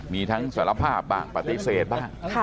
มีทั้งสารภาพบ้างปฏิเสธบ้าง